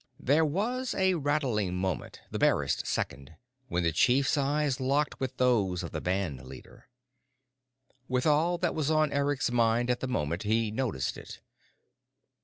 There was a rattling moment, the barest second, when the chief's eyes locked with those of the band leader. With all that was on Eric's mind at the moment, he noticed it.